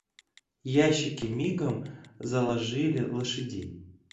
Ямщики мигом заложили лошадей.